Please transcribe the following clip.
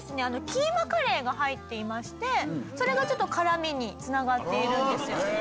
キーマカレーが入っていましてそれがちょっと辛みに繋がっているんですよ。